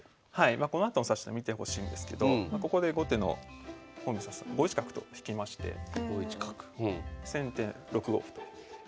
このあとの指し手見てほしいんですけどここで後手の本因坊算砂さん５一角と引きまして先手６五歩と。